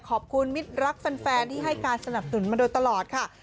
ขอบคุณมิตรรักแฟนที่ให้การสนับสนุนมาโดยตลอดค่ะ